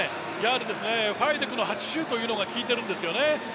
ファイデクの８０というのがきいているんですよね。